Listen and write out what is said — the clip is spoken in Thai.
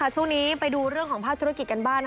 ช่วงนี้ไปดูเรื่องของภาคธุรกิจกันบ้าง